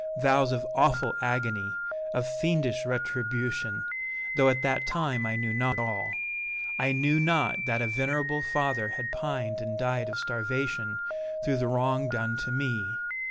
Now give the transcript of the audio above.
vows of awful agony, of fiendish retribution, though at that time I knew not all! I knew not that a venerable father had pined and died of starvation through the wrong done to me!